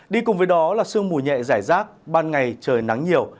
đi cùng với đó là sương mùi nhẹ rải rác ban ngày trời nắng nhiều